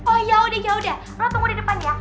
oh yaudah yaudah lo tunggu di depan ya